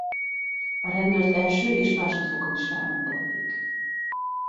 A rendőrt első- és másodfokon is felmentették.